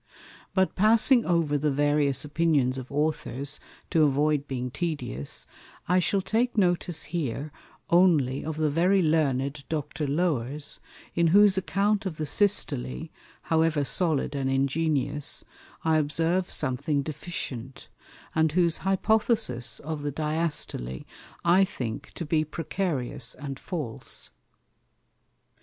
But passing over the various Opinions of Authors, to avoid being tedious, I shall take notice here only of the very Learned Dr. Lower's, in whose Account of the Systole, however solid and ingenious, I observe something deficient, and whose Hypothesis of the Diastole I think to be precarious and false.